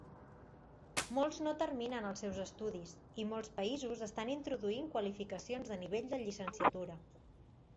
Molts no terminen els seus estudis i molts països estan introduint qualificacions de nivell de llicenciatura.